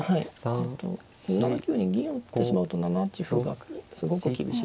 あと７九に銀を打ってしまうと７八歩がすごく厳しい。